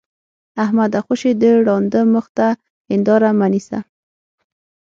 احمده! خوشې د ړانده مخ ته هېنداره مه نيسه.